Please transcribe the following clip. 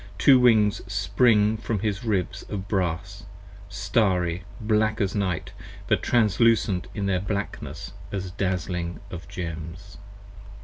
Two Wings spring from his ribs of brass, starry, black as night, But translucent their blackness as the dazling of gems.